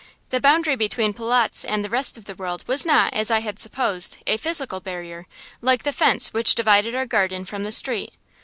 The boundary between Polotzk and the rest of the world was not, as I had supposed, a physical barrier, like the fence which divided our garden from the street.